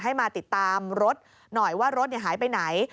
ให้มาติดตามรถหน่อยว่ารถหายไปไหน